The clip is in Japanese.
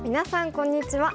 こんにちは。